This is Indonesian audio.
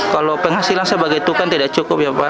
kalau penghasilan sebagai tukang tidak cukup ya pak